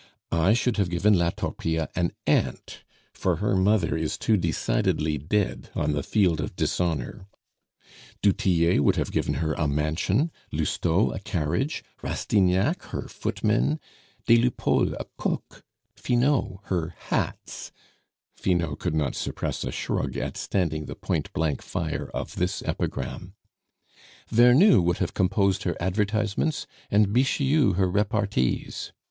I should have given La Torpille an aunt, for her mother is too decidedly dead on the field of dishonor; du Tillet would have given her a mansion, Lousteau a carriage, Rastignac her footmen, des Lupeaulx a cook, Finot her hats" Finot could not suppress a shrug at standing the point blank fire of this epigram "Vernou would have composed her advertisements, and Bixiou her repartees!